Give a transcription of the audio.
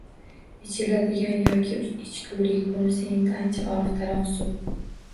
Ichiladigan yoki ichgulik bunisi endi ancha oliftaroq suv